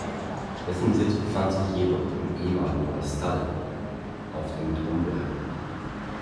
Dessen Sitz befand sich jedoch im ehemaligen Marstall auf dem Domberg.